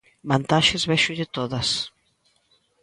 Vantaxes véxolle todas.